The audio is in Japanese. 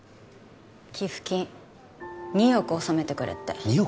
寄付金２億納めてくれって２億？